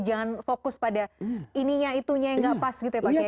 jangan fokus pada ininya itunya yang gak pas gitu ya pak ya ya